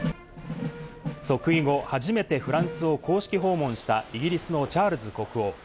即位後、初めてフランスを公式訪問したイギリスのチャールズ国王。